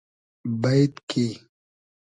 بݷد کی